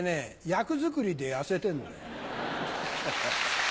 役作りで痩せてんだよ。